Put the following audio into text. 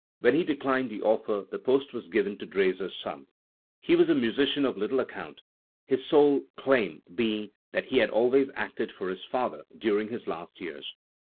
When he declined the offer, the post was given to Drese's son. He was a musician of little account, his sole claim being that he had always acted for his father during his last years.